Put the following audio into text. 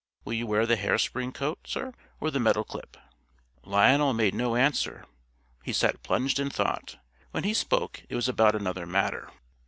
Will you wear the hair spring coat, Sir, or the metal clip?" Lionel made no answer. He sat plunged in thought. When he spoke it was about another matter.